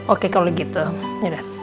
oke kalau gitu yaudah